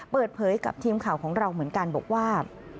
เปิดเผยกับทีมข่าวของเราเหมือนกันบอกว่า